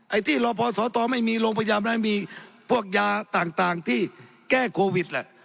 ไอ้ที่รอพอสตไม่มีโรงพยาบาลนั้นมีพวกยาต่างที่แก้โควิดแหละ